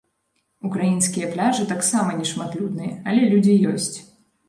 Украінскія пляжы таксама не шматлюдныя але людзі ёсць.